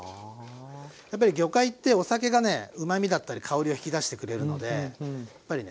やっぱり魚介ってお酒がねうまみだったり香りを引き出してくれるのでやっぱりね